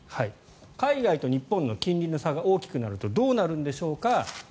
海外と日本の金利の差が大きくなるとどうなるんでしょうか。